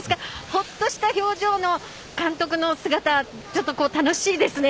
ほっとした表情の監督の姿楽しいですね。